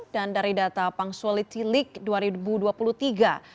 dan dari data punxsutry league dua ribu dua puluh tiga